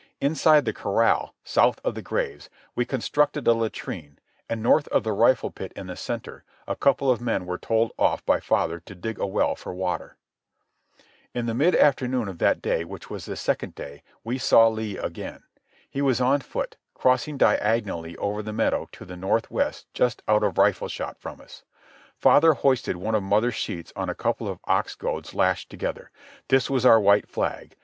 Inside the corral, south of the graves, we constructed a latrine, and, north of the rifle pit in the centre, a couple of men were told off by father to dig a well for water. In the mid afternoon of that day, which was the second day, we saw Lee again. He was on foot, crossing diagonally over the meadow to the north west just out of rifle shot from us. Father hoisted one of mother's sheets on a couple of ox goads lashed together. This was our white flag.